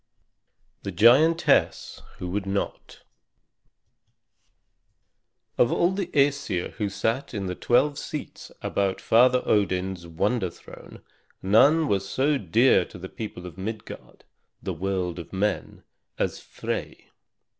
THE GIANTESS WHO WOULD NOT Of all the Æsir who sat in the twelve seats about Father Odin's wonder throne none was so dear to the people of Midgard, the world of men, as Frey.